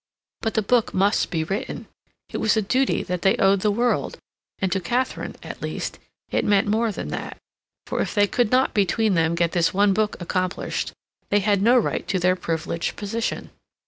But the book must be written. It was a duty that they owed the world, and to Katharine, at least, it meant more than that, for if they could not between them get this one book accomplished they had no right to their privileged position.